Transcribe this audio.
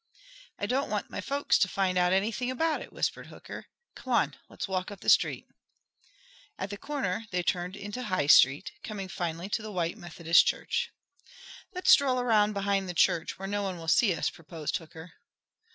"I don't want my folks to find out anything about it," whispered Hooker. "Come on, let's walk up the street." At the corner above they turned into High Street, coming finally to the white Methodist church. "Let's stroll around behind the church, where no one will see us," proposed Hooker.